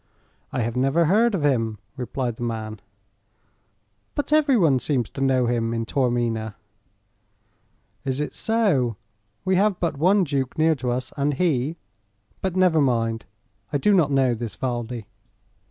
"I have never heard of him," replied the man. "But every one seems to know him in Taormina." "Is it so? We have but one duke near to us, and he . But never mind. I do not know this Valdi."